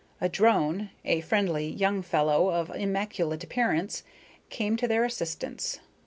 A drone, a friendly young fellow of immaculate appearance, came to their assistance.